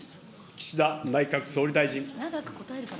岸田内閣総理大臣。